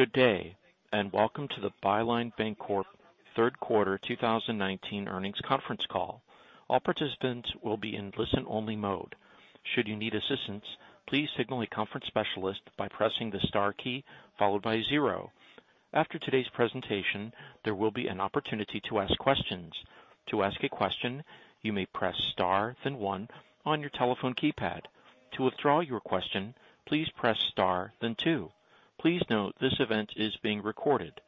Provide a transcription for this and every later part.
Good day, and welcome to the Byline Bancorp third quarter 2019 earnings conference call. All participants will be in listen-only mode. Should you need assistance, please signal a conference specialist by pressing the star key followed by zero. After today's presentation, there will be an opportunity to ask questions. To ask a question, you may press star then one on your telephone keypad. To withdraw your question, please press star then two. Please note this event is being recorded.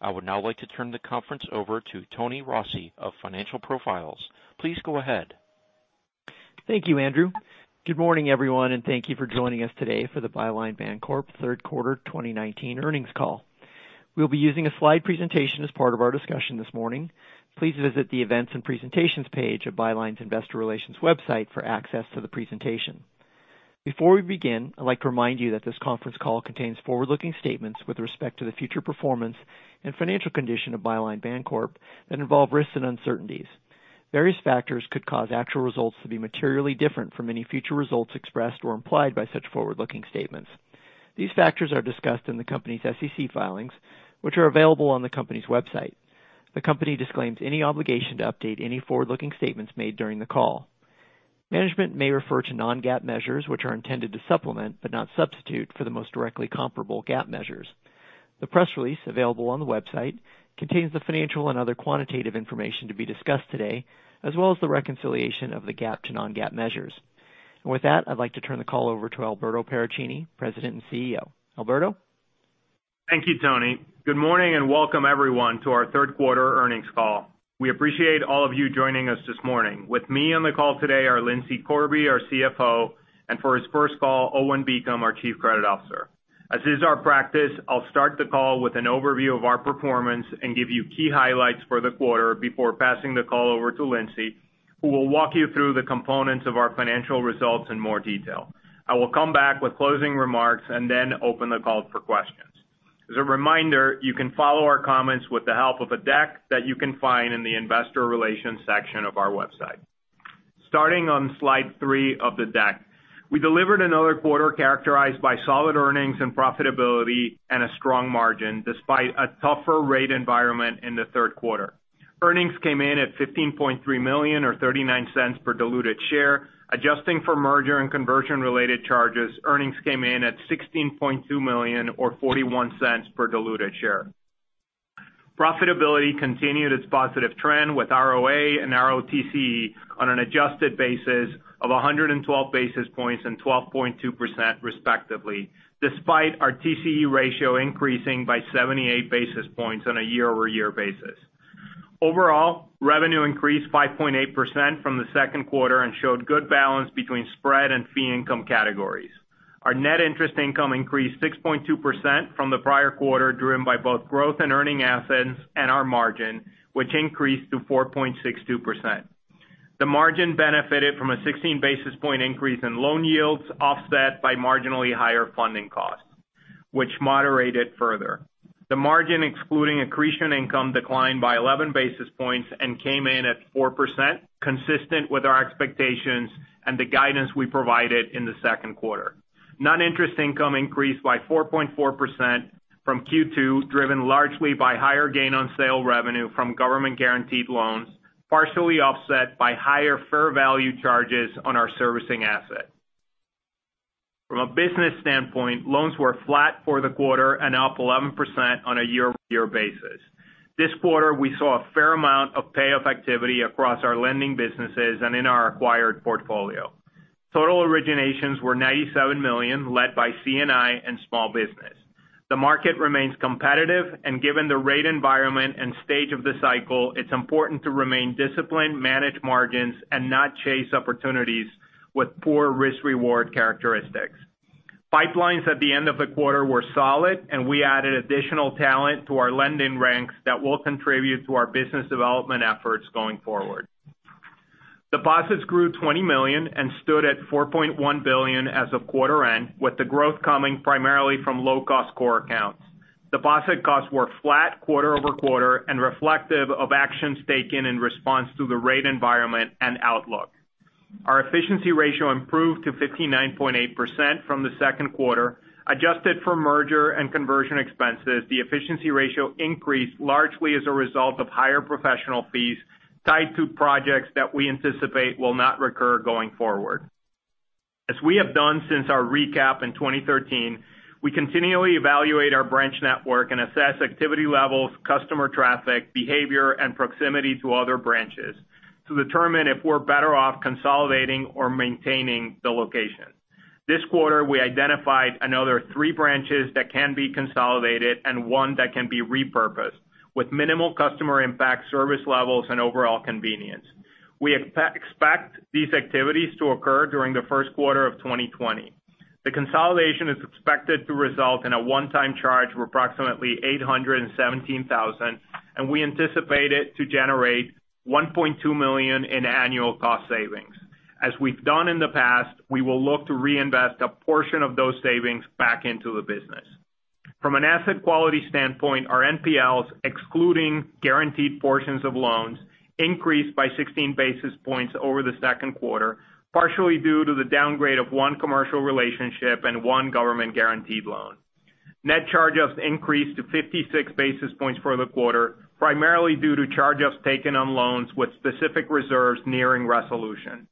I would now like to turn the conference over to Tony Rossi of Financial Profiles. Please go ahead. Thank you, Andrew. Good morning, everyone, and thank you for joining us today for the Byline Bancorp third quarter 2019 earnings call. We'll be using a slide presentation as part of our discussion this morning. Please visit the Events and Presentations page of Byline's investor relations website for access to the presentation. Before we begin, I'd like to remind you that this conference call contains forward-looking statements with respect to the future performance and financial condition of Byline Bancorp that involve risks and uncertainties. Various factors could cause actual results to be materially different from any future results expressed or implied by such forward-looking statements. These factors are discussed in the company's SEC filings, which are available on the company's website. The company disclaims any obligation to update any forward-looking statements made during the call. Management may refer to non-GAAP measures, which are intended to supplement, but not substitute for, the most directly comparable GAAP measures. The press release available on the website contains the financial and other quantitative information to be discussed today, as well as the reconciliation of the GAAP to non-GAAP measures. With that, I'd like to turn the call over to Alberto Paracchini, President and CEO. Alberto? Thank you, Tony. Good morning and welcome everyone to our third quarter earnings call. We appreciate all of you joining us this morning. With me on the call today are Lindsay Corby, our CFO, and for his first call, Owen Beacom, our chief credit officer. As is our practice, I'll start the call with an overview of our performance and give you key highlights for the quarter before passing the call over to Lindsay, who will walk you through the components of our financial results in more detail. I will come back with closing remarks and then open the call for questions. As a reminder, you can follow our comments with the help of a deck that you can find in the investor relations section of our website. Starting on slide three of the deck. We delivered another quarter characterized by solid earnings and profitability and a strong margin despite a tougher rate environment in the third quarter. Earnings came in at $15.3 million or $0.39 per diluted share. Adjusting for merger and conversion-related charges, earnings came in at $16.2 million or $0.41 per diluted share. Profitability continued its positive trend with ROA and ROTCE on an adjusted basis of 112 basis points and 12.2%, respectively, despite our TCE ratio increasing by 78 basis points on a year-over-year basis. Overall, revenue increased 5.8% from the second quarter and showed good balance between spread and fee income categories. Our net interest income increased 6.2% from the prior quarter, driven by both growth in earning assets and our margin, which increased to 4.62%. The margin benefited from a 16 basis point increase in loan yields offset by marginally higher funding costs, which moderated further. The margin excluding accretion income declined by 11 basis points and came in at 4%, consistent with our expectations and the guidance we provided in the second quarter. Non-interest income increased by 4.4% from Q2, driven largely by higher gain on sale revenue from government-guaranteed loans, partially offset by higher fair value charges on our servicing asset. From a business standpoint, loans were flat for the quarter and up 11% on a year-over-year basis. This quarter, we saw a fair amount of payoff activity across our lending businesses and in our acquired portfolio. Total originations were $97 million, led by C&I and small business. The market remains competitive, and given the rate environment and stage of the cycle, it's important to remain disciplined, manage margins, and not chase opportunities with poor risk-reward characteristics. Pipelines at the end of the quarter were solid, and we added additional talent to our lending ranks that will contribute to our business development efforts going forward. Deposits grew $20 million and stood at $4.1 billion as of quarter end, with the growth coming primarily from low-cost core accounts. Deposit costs were flat quarter-over-quarter and reflective of actions taken in response to the rate environment and outlook. Our efficiency ratio improved to 59.8% from the second quarter. Adjusted for merger and conversion expenses, the efficiency ratio increased largely as a result of higher professional fees tied to projects that we anticipate will not recur going forward. As we have done since our recap in 2013, we continually evaluate our branch network and assess activity levels, customer traffic, behavior, and proximity to other branches to determine if we're better off consolidating or maintaining the location. This quarter, we identified another three branches that can be consolidated and one that can be repurposed with minimal customer impact, service levels, and overall convenience. We expect these activities to occur during the first quarter of 2020. The consolidation is expected to result in a one-time charge of approximately $817,000, and we anticipate it to generate $1.2 million in annual cost savings. As we've done in the past, we will look to reinvest a portion of those savings back into the business. From an asset quality standpoint, our NPLs, excluding guaranteed portions of loans, increased by 16 basis points over the second quarter, partially due to the downgrade of one commercial relationship and one government-guaranteed loan. Net charge-offs increased to 56 basis points for the quarter, primarily due to charge-offs taken on loans with specific reserves nearing resolution.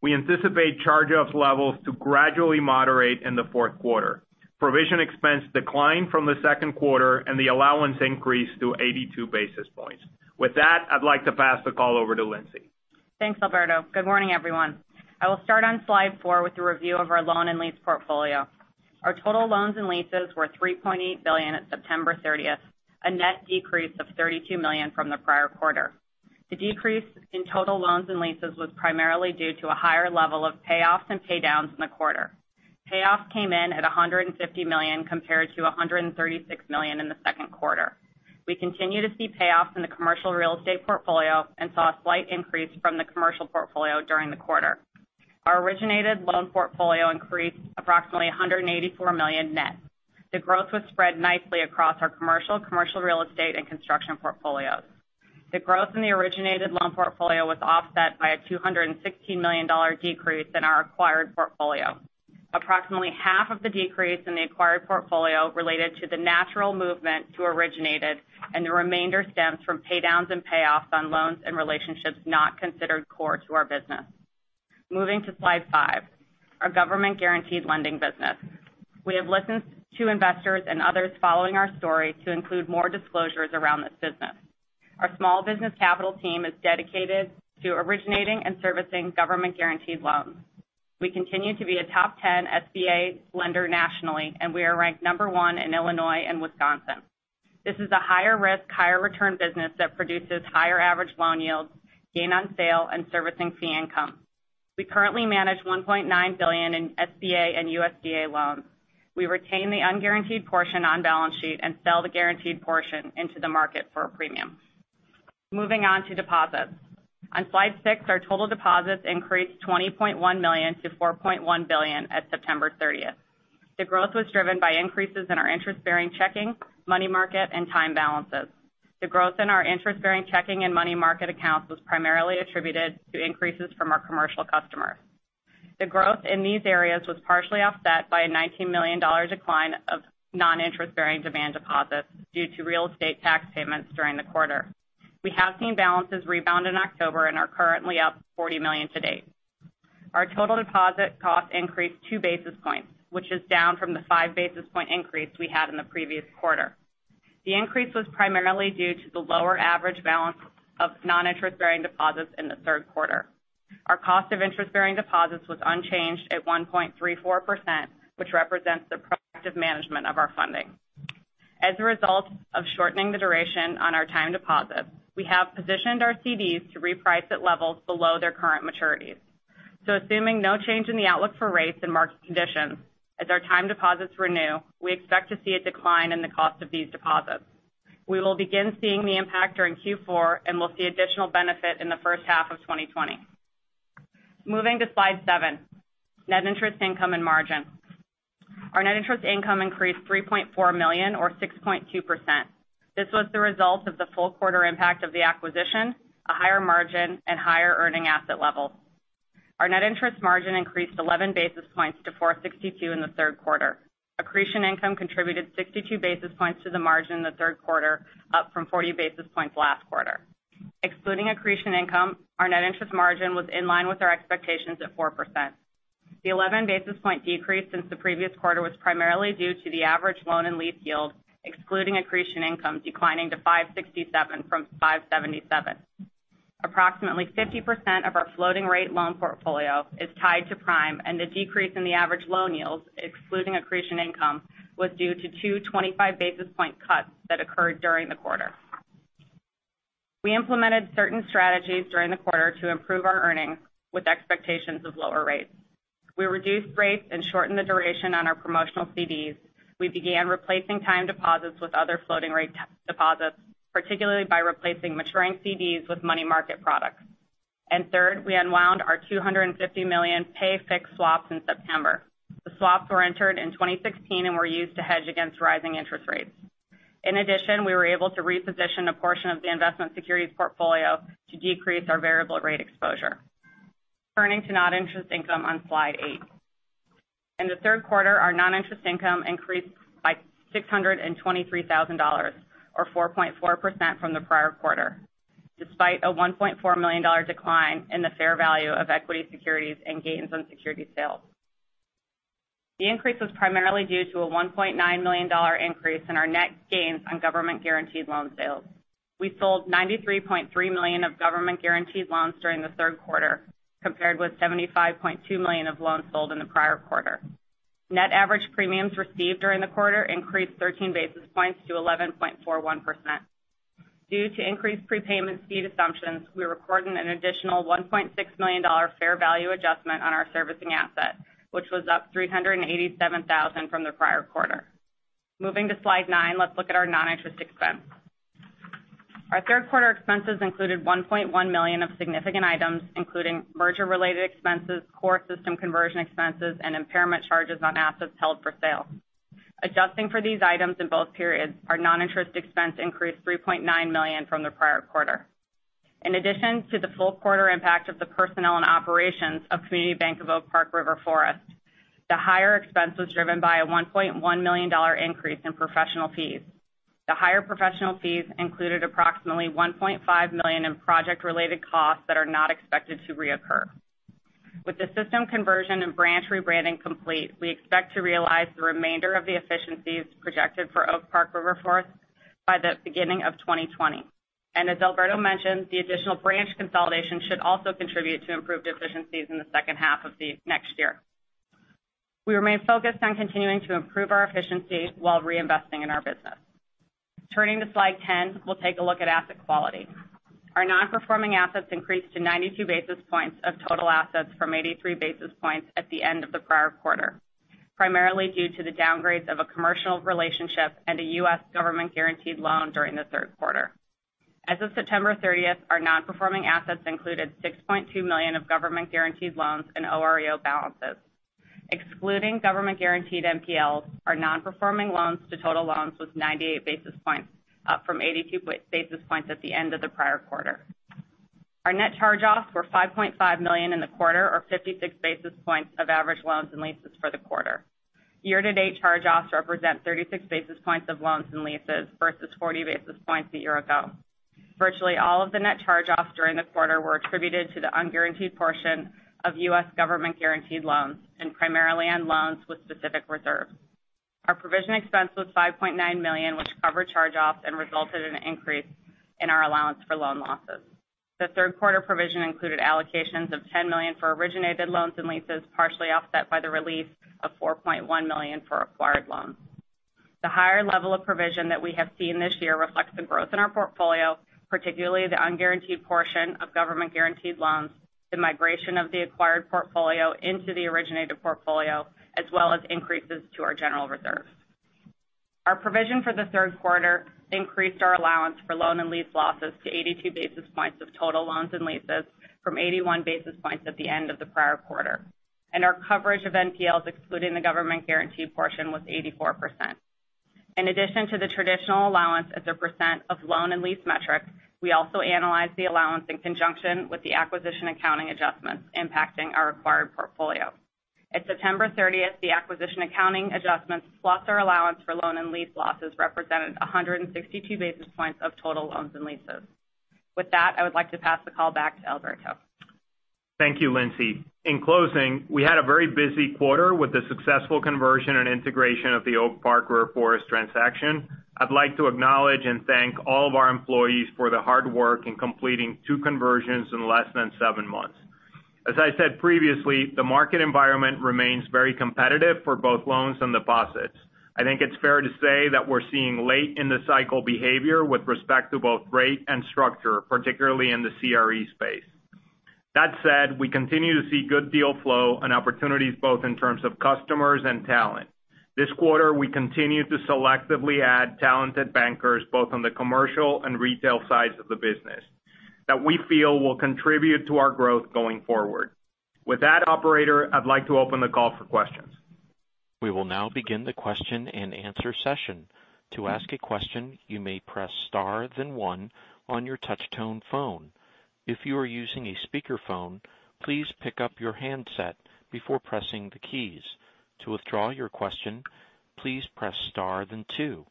We anticipate charge-offs levels to gradually moderate in the fourth quarter. Provision expense declined from the second quarter, and the allowance increased to 82 basis points. With that, I'd like to pass the call over to Lindsay. Thanks, Alberto Paracchini. Good morning, everyone. I will start on slide four with a review of our loan and lease portfolio. Our total loans and leases were $3.8 billion at September 30th, a net decrease of $32 million from the prior quarter. The decrease in total loans and leases was primarily due to a higher level of payoffs and pay downs in the quarter. Payoffs came in at $150 million compared to $136 million in the second quarter. We continue to see payoffs in the commercial real estate portfolio and saw a slight increase from the commercial portfolio during the quarter. Our originated loan portfolio increased approximately $184 million net. The growth was spread nicely across our commercial real estate, and construction portfolios. The growth in the originated loan portfolio was offset by a $216 million decrease in our acquired portfolio. Approximately half of the decrease in the acquired portfolio related to the natural movement to originated, and the remainder stems from pay downs and payoffs on loans and relationships not considered core to our business. Moving to slide five, our government-guaranteed lending business. We have listened to investors and others following our story to include more disclosures around this business. Our small business capital team is dedicated to originating and servicing government-guaranteed loans. We continue to be a top 10 SBA lender nationally, and we are ranked number one in Illinois and Wisconsin. This is a higher risk, higher return business that produces higher average loan yields, gain on sale, and servicing fee income. We currently manage $1.9 billion in SBA and USDA loans. We retain the unguaranteed portion on balance sheet and sell the guaranteed portion into the market for a premium. Moving on to deposits. On slide six, our total deposits increased $20.1 million to $4.1 billion at September 30th. The growth was driven by increases in our interest-bearing checking, money market, and time balances. The growth in our interest-bearing checking and money market accounts was primarily attributed to increases from our commercial customers. The growth in these areas was partially offset by a $19 million decline of non-interest-bearing demand deposits due to real estate tax payments during the quarter. We have seen balances rebound in October and are currently up $40 million to date. Our total deposit cost increased two basis points, which is down from the five basis point increase we had in the previous quarter. The increase was primarily due to the lower average balance of non-interest-bearing deposits in the third quarter. Our cost of interest-bearing deposits was unchanged at 1.34%, which represents the proactive management of our funding. As a result of shortening the duration on our time deposits, we have positioned our CDs to reprice at levels below their current maturities. Assuming no change in the outlook for rates and market conditions, as our time deposits renew, we expect to see a decline in the cost of these deposits. We will begin seeing the impact during Q4, and we'll see additional benefit in the first half of 2020. Moving to slide seven, net interest income and margin. Our net interest income increased $3.4 million or 6.2%. This was the result of the full quarter impact of the acquisition, a higher margin, and higher earning asset levels. Our net interest margin increased 11 basis points to 4.62% in the third quarter. Accretion income contributed 62 basis points to the margin in the third quarter, up from 40 basis points last quarter. Excluding accretion income, our net interest margin was in line with our expectations at 4%. The 11 basis point decrease since the previous quarter was primarily due to the average loan and lease yield, excluding accretion income declining to 567 from 577. Approximately 50% of our floating rate loan portfolio is tied to Prime, and the decrease in the average loan yields, excluding accretion income, was due to two 25 basis point cuts that occurred during the quarter. We implemented certain strategies during the quarter to improve our earnings with expectations of lower rates. We reduced rates and shortened the duration on our promotional CDs. We began replacing time deposits with other floating rate deposits, particularly by replacing maturing CDs with money market products. Third, we unwound our $250 million pay fixed swaps in September. The swaps were entered in 2016 and were used to hedge against rising interest rates. In addition, we were able to reposition a portion of the investment securities portfolio to decrease our variable rate exposure. Turning to non-interest income on slide eight. In the third quarter, our non-interest income increased by $623,000, or 4.4% from the prior quarter, despite a $1.4 million decline in the fair value of equity securities and gains on security sales. The increase was primarily due to a $1.9 million increase in our net gains on government guaranteed loan sales. We sold $93.3 million of government guaranteed loans during the third quarter, compared with $75.2 million of loans sold in the prior quarter. Net average premiums received during the quarter increased 13 basis points to 11.41%. Due to increased prepayment speed assumptions, we recorded an additional $1.6 million fair value adjustment on our servicing asset, which was up $387,000 from the prior quarter. Moving to slide nine, let's look at our non-interest expense. Our third quarter expenses included $1.1 million of significant items, including merger related expenses, core system conversion expenses, and impairment charges on assets held for sale. Adjusting for these items in both periods, our non-interest expense increased $3.9 million from the prior quarter. In addition to the full quarter impact of the personnel and operations of Community Bank of Oak Park River Forest, the higher expense was driven by a $1.1 million increase in professional fees. The higher professional fees included approximately $1.5 million in project-related costs that are not expected to reoccur. With the system conversion and branch rebranding complete, we expect to realize the remainder of the efficiencies projected for Oak Park River Forest by the beginning of 2020. As Alberto mentioned, the additional branch consolidation should also contribute to improved efficiencies in the second half of next year. We remain focused on continuing to improve our efficiency while reinvesting in our business. Turning to slide 10, we'll take a look at asset quality. Our non-performing assets increased to 92 basis points of total assets from 83 basis points at the end of the prior quarter, primarily due to the downgrades of a commercial relationship and a U.S. government-guaranteed loan during the third quarter. As of September 30th, our non-performing assets included $6.2 million of government-guaranteed loans and OREO balances. Excluding government-guaranteed NPLs, our non-performing loans to total loans was 98 basis points, up from 82 basis points at the end of the prior quarter. Our net charge-offs were $5.5 million in the quarter, or 56 basis points of average loans and leases for the quarter. Year-to-date charge-offs represent 36 basis points of loans and leases versus 40 basis points a year ago. Virtually all of the net charge-offs during the quarter were attributed to the unguaranteed portion of U.S. government-guaranteed loans, and primarily on loans with specific reserves. Our provision expense was $5.9 million, which covered charge-offs and resulted in an increase in our allowance for loan losses. The third quarter provision included allocations of $10 million for originated loans and leases, partially offset by the release of $4.1 million for acquired loans. The higher level of provision that we have seen this year reflects the growth in our portfolio, particularly the unguaranteed portion of government-guaranteed loans, the migration of the acquired portfolio into the originated portfolio, as well as increases to our general reserves. Our provision for the third quarter increased our allowance for loan and lease losses to 82 basis points of total loans and leases from 81 basis points at the end of the prior quarter. Our coverage of NPLs, excluding the government-guaranteed portion, was 84%. In addition to the traditional allowance as a percent of loan and lease metrics, we also analyzed the allowance in conjunction with the acquisition accounting adjustments impacting our acquired portfolio. At September 30th, the acquisition accounting adjustments plus our allowance for loan and lease losses represented 162 basis points of total loans and leases. With that, I would like to pass the call back to Alberto. Thank you, Lindsay. In closing, we had a very busy quarter with the successful conversion and integration of the Oak Park River Forest transaction. I'd like to acknowledge and thank all of our employees for their hard work in completing two conversions in less than seven months. As I said previously, the market environment remains very competitive for both loans and deposits. I think it's fair to say that we're seeing late in the cycle behavior with respect to both rate and structure, particularly in the CRE space. That said, we continue to see good deal flow and opportunities both in terms of customers and talent. This quarter, we continued to selectively add talented bankers both on the commercial and retail sides of the business that we feel will contribute to our growth going forward. With that, operator, I'd like to open the call for questions. We will now begin the question and answer session. To ask a question, you may press star then one on your touch tone phone. If you are using a speakerphone, please pick up your handset before pressing the keys. To withdraw your question, please press star then two.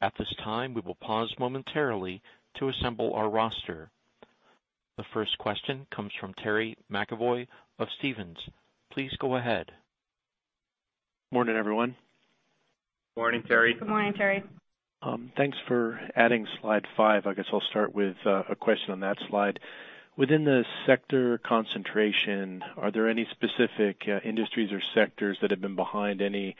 At this time, we will pause momentarily to assemble our roster. The first question comes from Terry McEvoy of Stephens. Please go ahead. Morning, everyone. Morning, Terry. Good morning, Terry. Thanks for adding slide five. I guess I'll start with a question on that slide. Within the sector concentration, are there any specific industries or sectors that have been behind any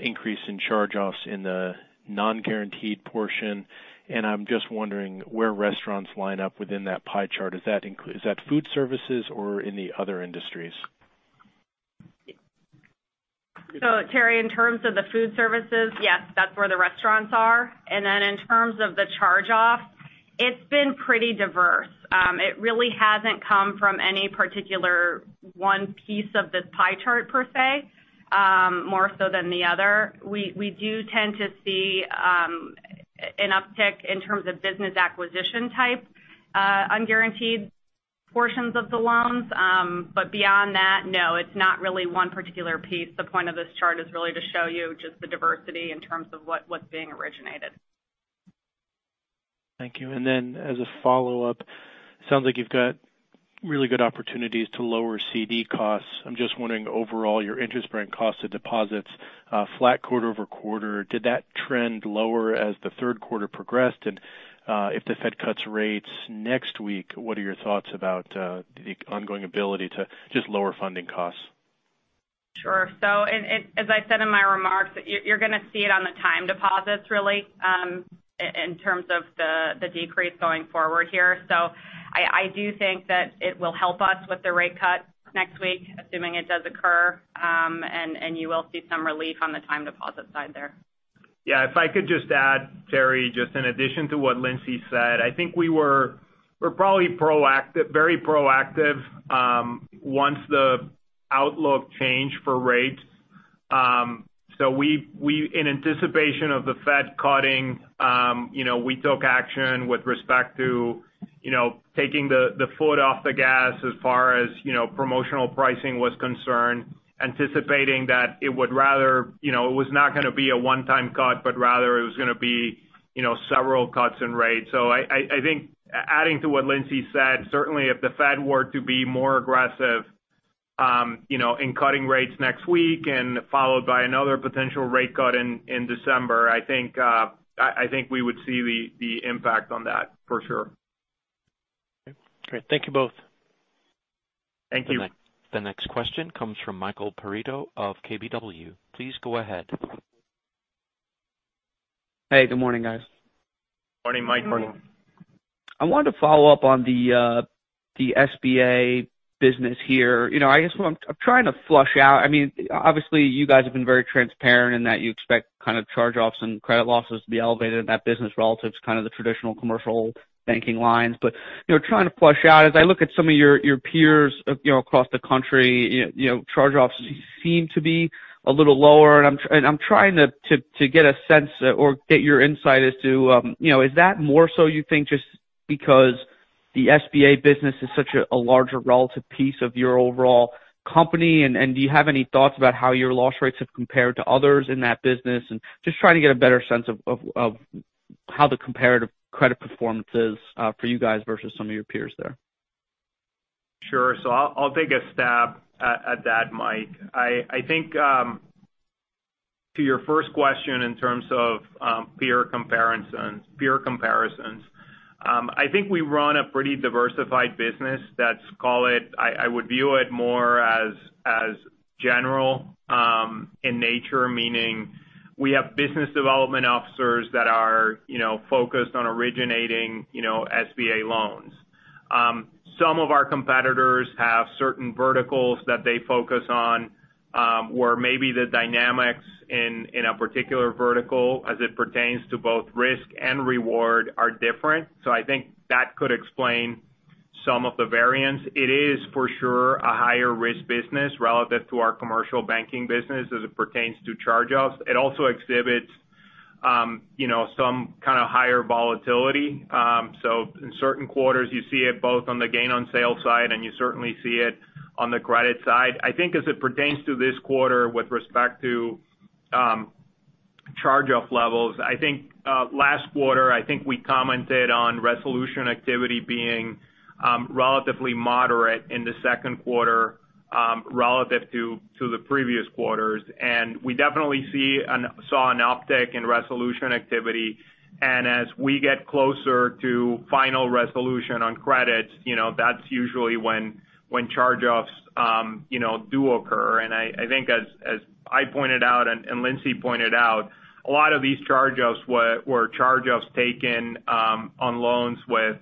increase in charge-offs in the non-guaranteed portion? I'm just wondering where restaurants line up within that pie chart. Is that food services or in the other industries? Terry, in terms of the food services, yes, that's where the restaurants are. In terms of the charge-off, it's been pretty diverse. It really hasn't come from any particular one piece of this pie chart per se more so than the other. We do tend to see an uptick in terms of business acquisition type unguaranteed portions of the loans. Beyond that, no, it's not really one particular piece. The point of this chart is really to show you just the diversity in terms of what's being originated. Thank you. As a follow-up, sounds like you've got really good opportunities to lower CD costs. I'm just wondering overall, your interest bearing cost of deposits, flat quarter-over-quarter. Did that trend lower as the third quarter progressed? If the Fed cuts rates next week, what are your thoughts about the ongoing ability to just lower funding costs? Sure. As I said in my remarks, you're going to see it on the time deposits really, in terms of the decrease going forward here. I do think that it will help us with the rate cut next week, assuming it does occur, and you will see some relief on the time deposit side there. Yeah. If I could just add, Terry, just in addition to what Lindsay said, I think we were probably very proactive once the outlook changed for rates. In anticipation of the Fed cutting, we took action with respect to taking the foot off the gas as far as promotional pricing was concerned, anticipating that it was not going to be a one-time cut, but rather it was going to be several cuts in rates. I think adding to what Lindsay said, certainly if the Fed were to be more aggressive in cutting rates next week and followed by another potential rate cut in December, I think we would see the impact on that for sure. Okay. Great. Thank you both. Thank you. The next question comes from Michael Perito of KBW. Please go ahead. Hey, good morning, guys. Morning, Mike. Good morning. I wanted to follow up on the SBA business here. I guess what I'm trying to flush out, obviously you guys have been very transparent in that you expect charge-offs and credit losses to be elevated in that business relative to kind of the traditional commercial banking lines. Trying to flush out, as I look at some of your peers across the country, charge-offs seem to be a little lower, and I'm trying to get a sense or get your insight as to, is that more so you think just because the SBA business is such a larger relative piece of your overall company? Do you have any thoughts about how your loss rates have compared to others in that business? Just trying to get a better sense of how the comparative credit performance is for you guys versus some of your peers there. Sure. I'll take a stab at that, Mike. I think to your first question in terms of peer comparisons, I think we run a pretty diversified business, I would view it more as general in nature, meaning we have business development officers that are focused on originating SBA loans. Some of our competitors have certain verticals that they focus on, where maybe the dynamics in a particular vertical as it pertains to both risk and reward are different. I think that could explain some of the variance. It is for sure a higher-risk business relative to our commercial banking business as it pertains to charge-offs. It also exhibits some kind of higher volatility. In certain quarters you see it both on the gain on sale side and you certainly see it on the credit side. I think as it pertains to this quarter with respect to charge-off levels, last quarter, I think we commented on resolution activity being relatively moderate in the second quarter relative to the previous quarters. We definitely saw an uptick in resolution activity. As we get closer to final resolution on credits, that's usually when charge-offs do occur. I think as I pointed out and Lindsay pointed out, a lot of these charge-offs were charge-offs taken on loans with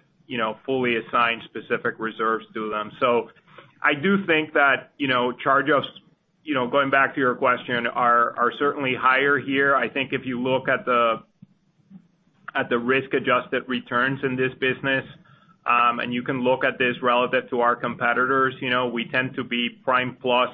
fully assigned specific reserves to them. I do think that charge-offs, going back to your question, are certainly higher here. I think if you look at the risk-adjusted returns in this business, and you can look at this relative to our competitors, we tend to be Prime plus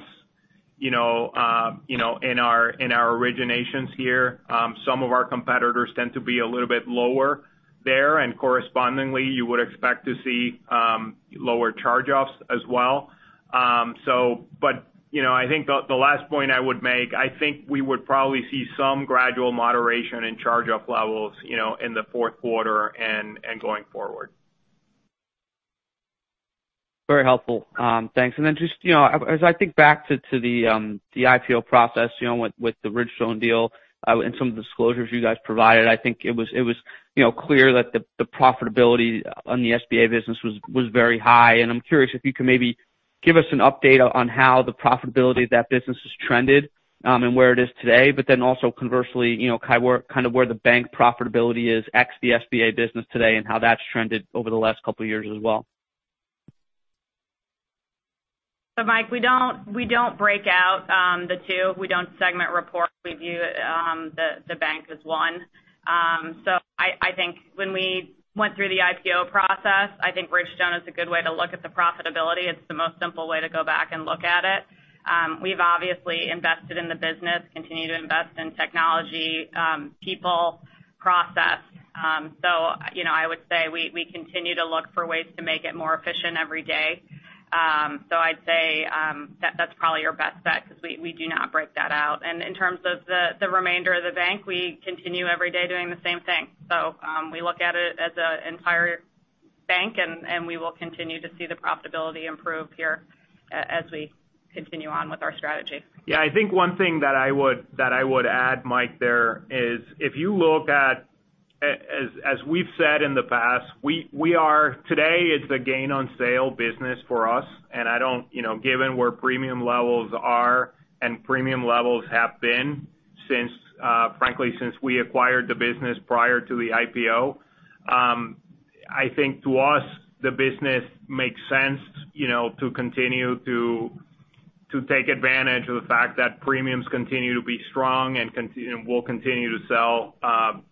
in our originations here. Some of our competitors tend to be a little bit lower there, correspondingly, you would expect to see lower charge-offs as well. I think the last point I would make, I think we would probably see some gradual moderation in charge-off levels in the fourth quarter and going forward. Very helpful. Thanks. Just as I think back to the IPO process with the Bridgestone deal and some of the disclosures you guys provided, I think it was clear that the profitability on the SBA business was very high. I'm curious if you could maybe give us an update on how the profitability of that business has trended and where it is today, but then also conversely, kind of where the bank profitability is ex the SBA business today and how that's trended over the last couple of years as well. Mike, we don't break out the two. We don't segment reports. We view the bank as one. I think when we went through the IPO process, I think Bridgestone is a good way to look at the profitability. It's the most simple way to go back and look at it. We've obviously invested in the business, continue to invest in technology, people, process. I would say we continue to look for ways to make it more efficient every day. I'd say that's probably your best bet because we do not break that out. In terms of the remainder of the bank, we continue every day doing the same thing. We look at it as an entire bank, and we will continue to see the profitability improve here as we continue on with our strategy. Yeah, I think one thing that I would add, Mike, there is if you look at as we've said in the past, today it's a gain on sale business for us, and given where premium levels are and premium levels have been frankly since we acquired the business prior to the IPO. I think to us, the business makes sense to continue to take advantage of the fact that premiums continue to be strong and will continue to sell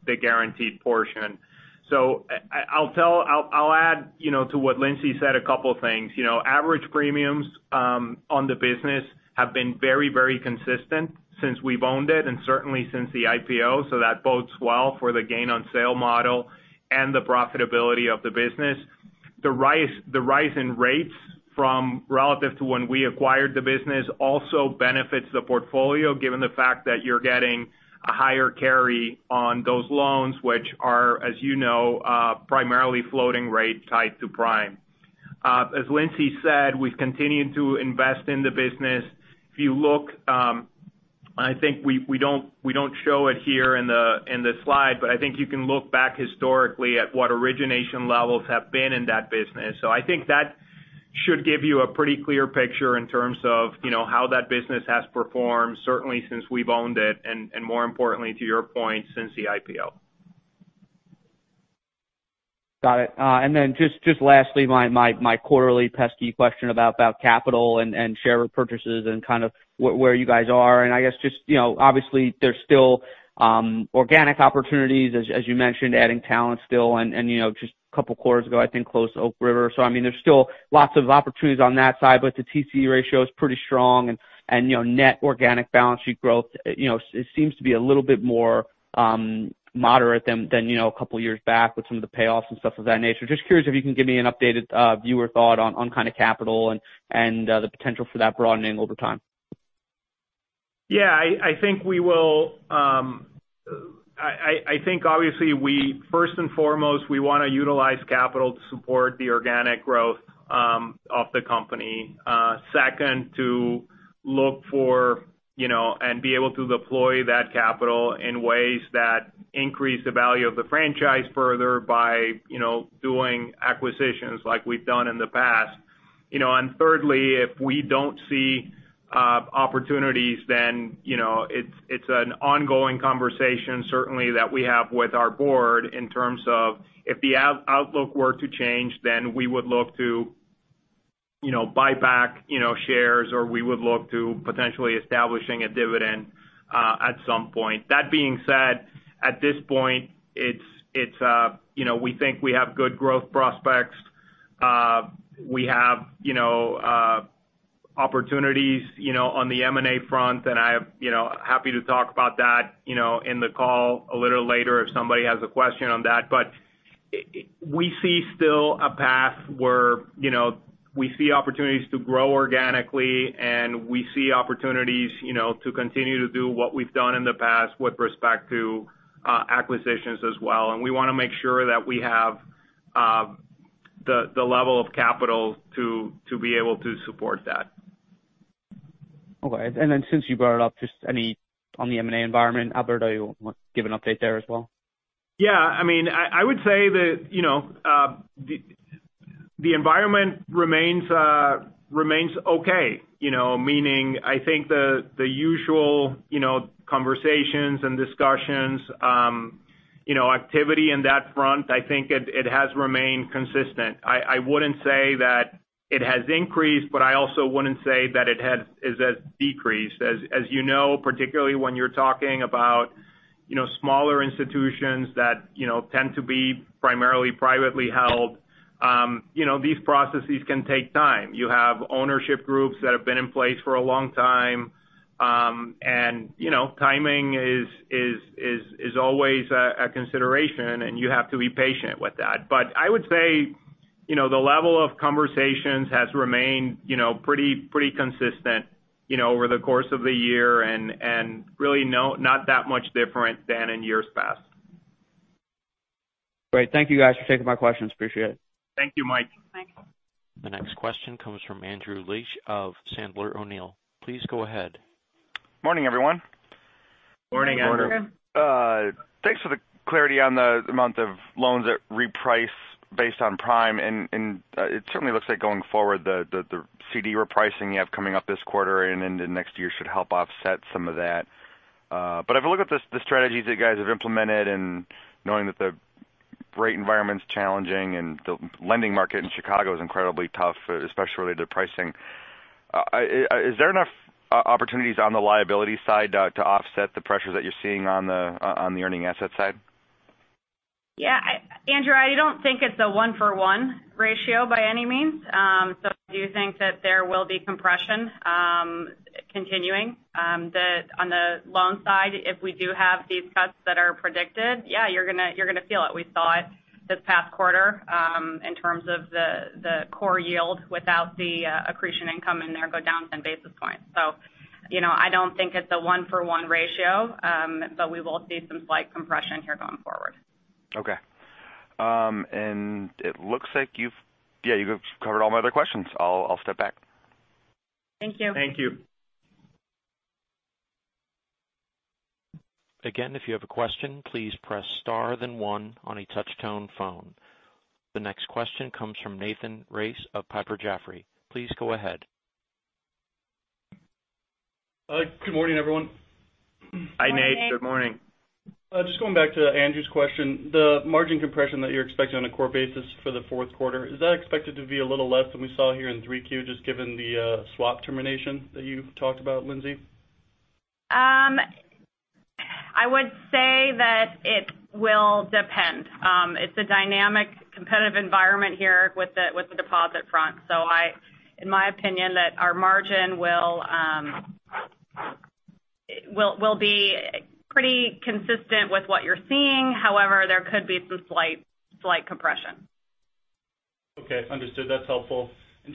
the guaranteed portion. I'll add to what Lindsay said, a couple of things. Average premiums on the business have been very consistent since we've owned it, and certainly since the IPO. That bodes well for the gain on sale model and the profitability of the business. The rise in rates from relative to when we acquired the business also benefits the portfolio, given the fact that you're getting a higher carry on those loans, which are, as you know primarily floating rate tied to Prime. As Lindsay said, we've continued to invest in the business. If you look, I think we don't show it here in the slide. I think you can look back historically at what origination levels have been in that business. I think that should give you a pretty clear picture in terms of how that business has performed, certainly since we've owned it, and more importantly, to your point, since the IPO. Got it. Then just lastly, my quarterly pesky question about capital and share repurchases and where you guys are. I guess obviously there's still organic opportunities, as you mentioned, adding talent still and just a couple of quarters ago, I think close to Oak River. There's still lots of opportunities on that side, but the TCE ratio is pretty strong and net organic balance sheet growth it seems to be a little bit more moderate than a couple of years back with some of the payoffs and stuff of that nature. Just curious if you can give me an updated view or thought on capital and the potential for that broadening over time. Yeah, I think obviously, first and foremost, we want to utilize capital to support the organic growth of the company. Second, to look for and be able to deploy that capital in ways that increase the value of the franchise further by doing acquisitions like we've done in the past. Thirdly, if we don't see opportunities, then it's an ongoing conversation, certainly that we have with our board in terms of if the outlook were to change, then we would look to buy back shares, or we would look to potentially establishing a dividend at some point. That being said, at this point, we think we have good growth prospects. We have opportunities on the M&A front, and I am happy to talk about that in the call a little later if somebody has a question on that. We see still a path where we see opportunities to grow organically, and we see opportunities to continue to do what we've done in the past with respect to acquisitions as well, and we want to make sure that we have the level of capital to be able to support that. Okay. Since you brought it up, just any on the M&A environment, Alberto, you want to give an update there as well? Yeah, I would say that the environment remains okay. Meaning, I think the usual conversations and discussions, activity in that front, I think it has remained consistent. I wouldn't say that it has increased, I also wouldn't say that it has decreased. As you know, particularly when you're talking about smaller institutions that tend to be primarily privately held these processes can take time. You have ownership groups that have been in place for a long time. Timing is always a consideration, and you have to be patient with that. I would say the level of conversations has remained pretty consistent over the course of the year and really not that much different than in years past. Great. Thank you guys for taking my questions. Appreciate it. Thank you, Mike. Thanks. The next question comes from Andrew Leach of Sandler O'Neill. Please go ahead. Morning, everyone. Morning, Andrew. Morning. Thanks for the clarity on the amount of loans that reprice based on Prime. It certainly looks like going forward, the CD repricing you have coming up this quarter and into next year should help offset some of that. If I look at the strategies that you guys have implemented and knowing that the rate environment's challenging and the lending market in Chicago is incredibly tough, especially related to pricing, is there enough opportunities on the liability side to offset the pressures that you're seeing on the earning asset side? Yeah. Andrew, I don't think it's a one-for-one ratio by any means. I do think that there will be compression continuing. On the loan side, if we do have these cuts that are predicted, yeah, you're going to feel it. We saw it this past quarter in terms of the core yield without the accretion income in there go down 10 basis points. I don't think it's a one-for-one ratio, but we will see some slight compression here going forward. Okay. It looks like you've covered all my other questions. I'll step back. Thank you. Thank you. Again, if you have a question, please press star then one on a touch-tone phone. The next question comes from Nathan Race of Piper Jaffray. Please go ahead. Good morning, everyone. Hi, Nate. Good morning. Just going back to Andrew's question, the margin compression that you're expecting on a core basis for the fourth quarter, is that expected to be a little less than we saw here in 3Q, just given the swap termination that you've talked about, Lindsay? I would say that it will depend. It's a dynamic, competitive environment here with the deposit front. In my opinion, that our margin will be pretty consistent with what you're seeing. However, there could be some slight compression. Okay, understood. That's helpful.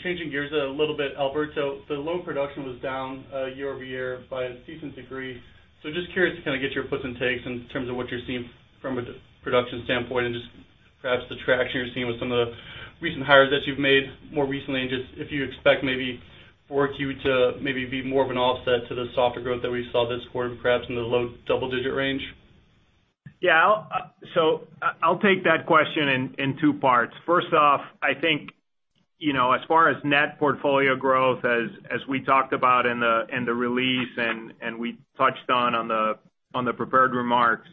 Changing gears a little bit, Alberto, the loan production was down year-over-year by a decent degree. Just curious to kind of get your puts and takes in terms of what you're seeing from a production standpoint, and just perhaps the traction you're seeing with some of the recent hires that you've made more recently, and just if you expect maybe 4Q to maybe be more of an offset to the softer growth that we saw this quarter, perhaps in the low double-digit range. I'll take that question in two parts. First off, I think as far as net portfolio growth, as we talked about in the release and we touched on the prepared remarks,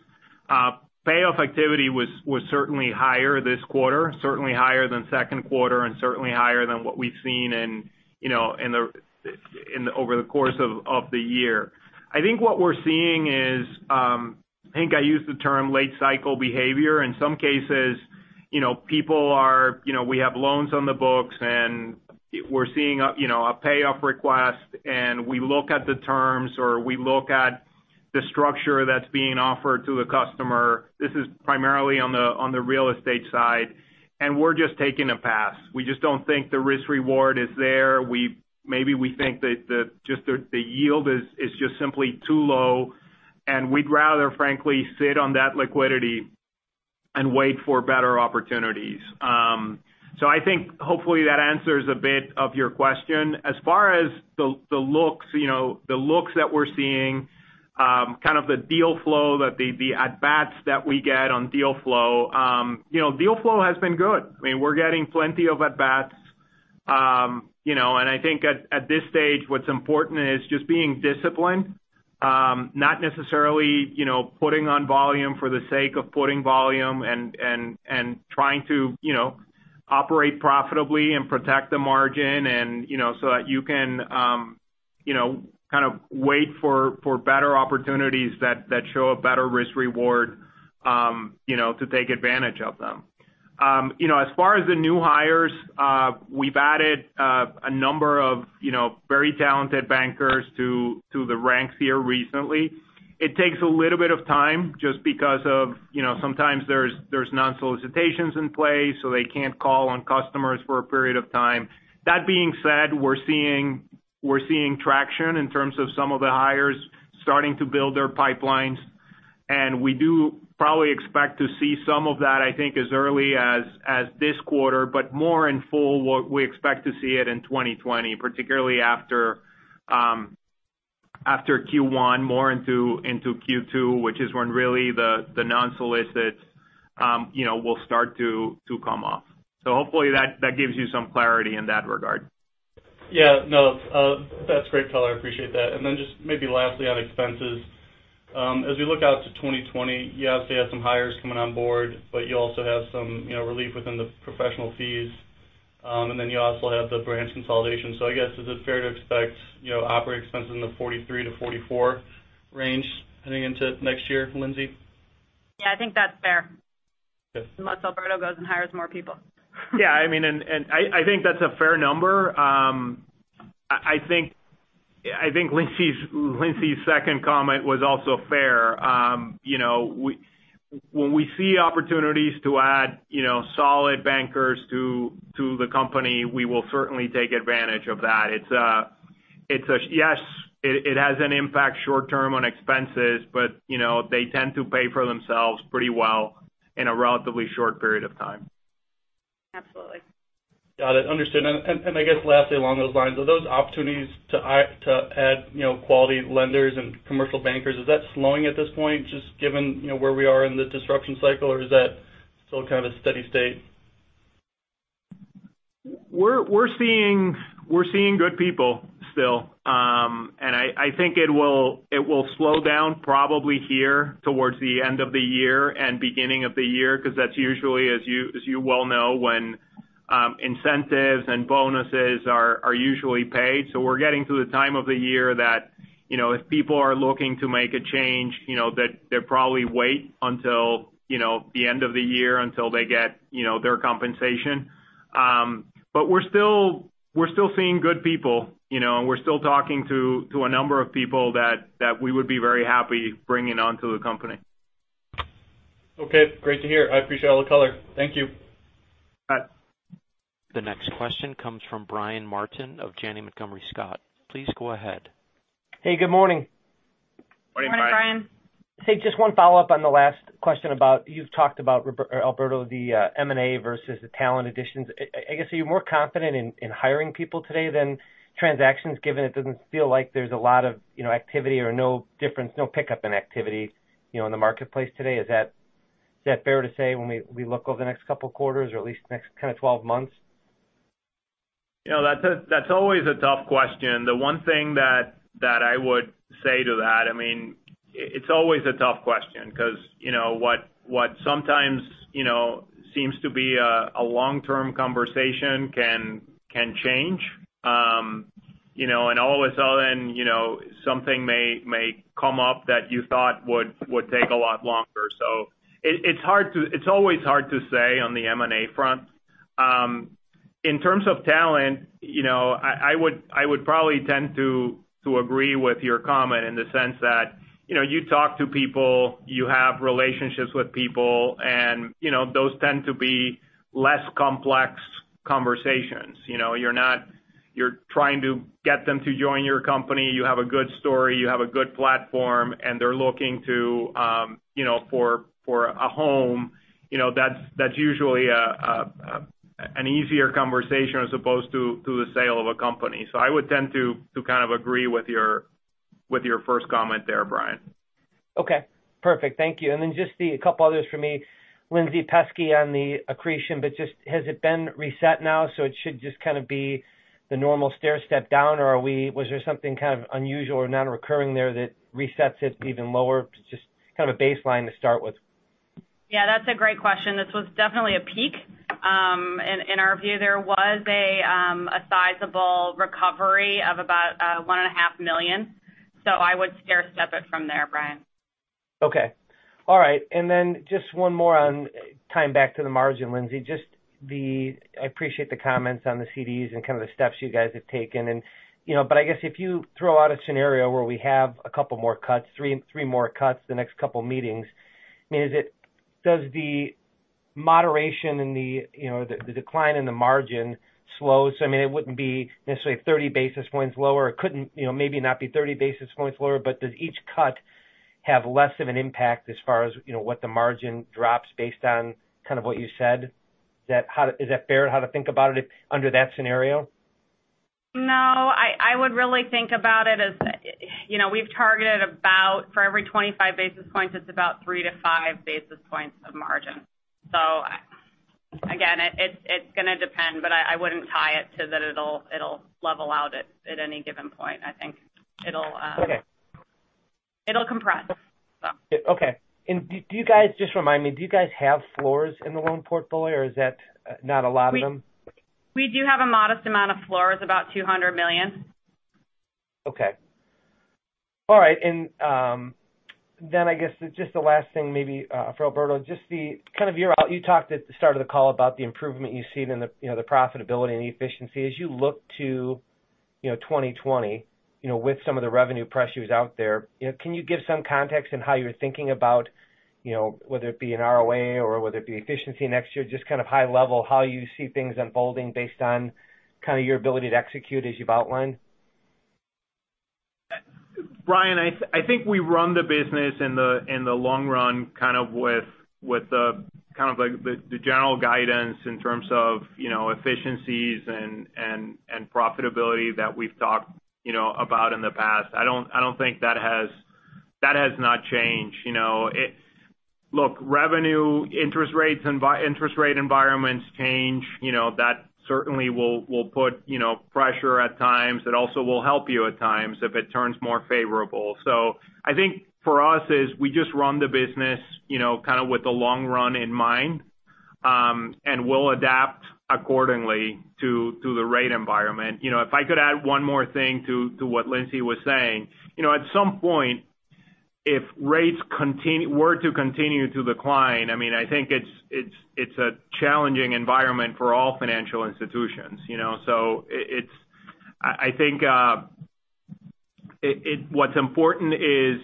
payoff activity was certainly higher this quarter, certainly higher than second quarter, and certainly higher than what we've seen over the course of the year. I think what we're seeing is, I think I used the term late cycle behavior. In some cases, we have loans on the books and we're seeing a payoff request and we look at the terms, or we look at the structure that's being offered to the customer. This is primarily on the real estate side, and we're just taking a pass. We just don't think the risk-reward is there. Maybe we think that just the yield is just simply too low, and we'd rather frankly sit on that liquidity and wait for better opportunities. I think hopefully that answers a bit of your question. As far as the looks that we're seeing, kind of the deal flow, the at-bats that we get on deal flow, deal flow has been good. We're getting plenty of at-bats. I think at this stage, what's important is just being disciplined. Not necessarily putting on volume for the sake of putting volume and trying to operate profitably and protect the margin, and so that you can kind of wait for better opportunities that show a better risk-reward to take advantage of them. As far as the new hires, we've added a number of very talented bankers to the ranks here recently. It takes a little bit of time just because of sometimes there's non-solicitations in play, so they can't call on customers for a period of time. That being said, we're seeing traction in terms of some of the hires starting to build their pipelines, and we do probably expect to see some of that, I think, as early as this quarter. More in full, we expect to see it in 2020, particularly after Q1, more into Q2, which is when really the non-solicits will start to come off. Hopefully that gives you some clarity in that regard. Yeah. No. That's great color. I appreciate that. Just maybe lastly on expenses. As we look out to 2020, you obviously have some hires coming on board, but you also have some relief within the professional fees. You also have the branch consolidation. I guess, is it fair to expect operating expenses in the $43-$44 range heading into next year, Lindsay? Yeah, I think that's fair. Okay. Unless Alberto goes and hires more people. Yeah. I think that's a fair number. I think Lindsay's second comment was also fair. When we see opportunities to add solid bankers to the company, we will certainly take advantage of that. Yes, it has an impact short term on expenses, but they tend to pay for themselves pretty well in a relatively short period of time. Absolutely. Got it. Understood. I guess lastly along those lines, are those opportunities to add quality lenders and commercial bankers, is that slowing at this point just given where we are in the disruption cycle, or is that still kind of a steady state? We're seeing good people still. I think it will slow down probably here towards the end of the year and beginning of the year, because that's usually, as you well know, when incentives and bonuses are usually paid. We're getting to the time of the year that if people are looking to make a change, they probably wait until the end of the year until they get their compensation. We're still seeing good people. We're still talking to a number of people that we would be very happy bringing onto the company. Okay. Great to hear. I appreciate all the color. Thank you. Bye. The next question comes from Brian Martin of Janney Montgomery Scott. Please go ahead. Hey, good morning. Morning, Brian. Morning, Brian. Hey, just one follow-up on the last question about, you've talked about, Alberto, the M&A versus the talent additions. I guess, are you more confident in hiring people today than transactions, given it doesn't feel like there's a lot of activity or no difference, no pickup in activity in the marketplace today? Is that fair to say when we look over the next couple of quarters or at least the next kind of 12 months? That's always a tough question. The one thing that I would say to that, it's always a tough question because what sometimes seems to be a long-term conversation can change. All of a sudden, something may come up that you thought would take a lot longer. It's always hard to say on the M&A front. In terms of talent, I would probably tend to agree with your comment in the sense that you talk to people, you have relationships with people, and those tend to be less complex conversations. You're trying to get them to join your company. You have a good story, you have a good platform, and they're looking for a home. That's usually an easier conversation as opposed to the sale of a company. I would tend to kind of agree with your first comment there, Brian. Okay, perfect. Thank you. Just a couple others for me. Lindsay Corby on the accretion, just has it been reset now, it should just kind of be the normal stairstep down? Was there something kind of unusual or non-recurring there that resets it even lower? Just kind of a baseline to start with. Yeah, that's a great question. This was definitely a peak. In our view, there was a sizable recovery of about one and a half million. I would stairstep it from there, Brian. Okay. All right. Then just one more on time back to the margin, Lindsay. I appreciate the comments on the CDs and kind of the steps you guys have taken. I guess if you throw out a scenario where we have a couple more cuts, three more cuts the next couple meetings, does the moderation and the decline in the margin slow? It wouldn't be necessarily 30 basis points lower. It couldn't maybe not be 30 basis points lower, but does each cut have less of an impact as far as what the margin drops based on kind of what you said? Is that fair how to think about it under that scenario? I would really think about it as we've targeted about for every 25 basis points, it's about three to five basis points of margin. Again, it's going to depend, but I wouldn't tie it to that it'll level out at any given point. Okay it'll compress. Okay. Just remind me, do you guys have floors in the loan portfolio, or is that not a lot of them? We do have a modest amount of floors, about $200 million. Okay. All right. I guess just the last thing maybe for Alberto, you talked at the start of the call about the improvement you've seen in the profitability and the efficiency. As you look to 2020 with some of the revenue pressures out there, can you give some context in how you're thinking about whether it be an ROA or whether it be efficiency next year, just kind of high level how you see things unfolding based on kind of your ability to execute as you've outlined? Brian, I think we run the business in the long run kind of with the general guidance in terms of efficiencies and profitability that we've talked about in the past. I don't think that has not changed. Look, revenue, interest rates, and interest rate environments change. That certainly will put pressure at times. It also will help you at times if it turns more favorable. I think for us is we just run the business kind of with the long run in mind, and we'll adapt accordingly to the rate environment. If I could add one more thing to what Lindsay was saying. At some point, if rates were to continue to decline, I think it's a challenging environment for all financial institutions. I think what's important is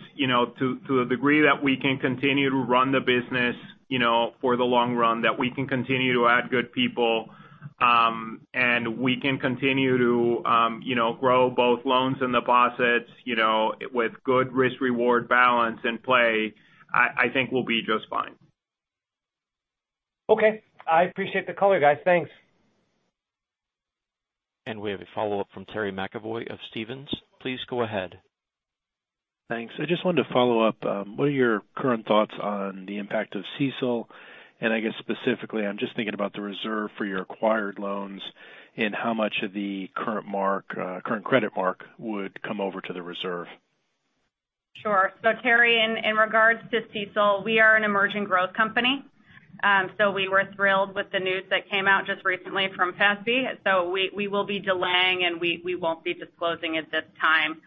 to a degree that we can continue to run the business for the long run, that we can continue to add good people, and we can continue to grow both loans and deposits with good risk-reward balance in play, I think we'll be just fine. Okay. I appreciate the color, guys. Thanks. We have a follow-up from Terry McEvoy of Stephens. Please go ahead. Thanks. I just wanted to follow up. What are your current thoughts on the impact of CECL? I guess specifically, I'm just thinking about the reserve for your acquired loans and how much of the current credit mark would come over to the reserve. Sure. Terry, in regards to CECL, we are an Emerging Growth Company. We were thrilled with the news that came out just recently from FASB. We will be delaying, and we won't be disclosing at this time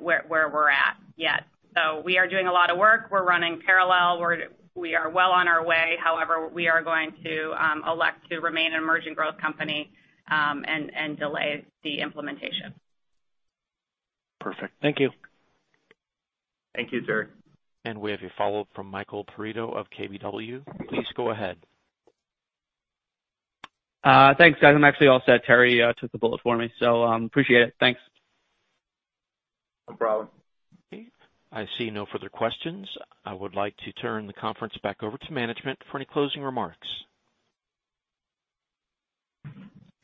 where we're at yet. We are doing a lot of work. We're running parallel. We are well on our way. However, we are going to elect to remain an Emerging Growth Company and delay the implementation. Perfect. Thank you. Thank you, Terry. We have a follow-up from Michael Perito of KBW. Please go ahead. Thanks, guys. I'm actually all set. Terry took the bullet for me, so appreciate it. Thanks. No problem. I see no further questions. I would like to turn the conference back over to management for any closing remarks.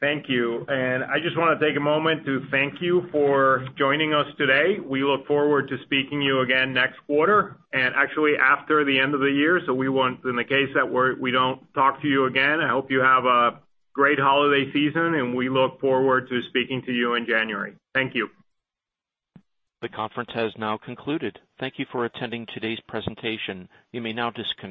Thank you. I just want to take a moment to thank you for joining us today. We look forward to speaking to you again next quarter and actually after the end of the year. We want in the case that we don't talk to you again, I hope you have a great holiday season, and we look forward to speaking to you in January. Thank you. The conference has now concluded. Thank you for attending today's presentation. You may now disconnect.